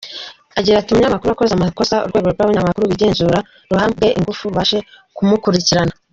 Agira ati “Umunyamakuru wakoze amakosa, Urwego rw’abanyamakuru bigenzura ruhabwe ingufu rubashe kumukurikirana.